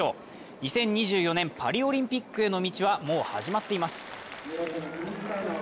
２０２４年パリオリンピックへの道はもう始まっています。